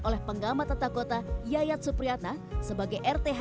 oleh penggama tata kota yayat supriyata sebagai rth